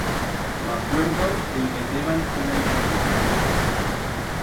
M'acuerdo que i meteban una ixordica.